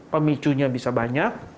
pemicunya bisa banyak